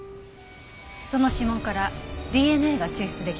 その指紋からＤＮＡが抽出出来ました。